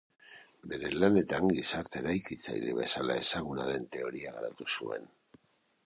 Bere lanetan gizarte eraikitzaile bezala ezaguna den teoria garatu zuen.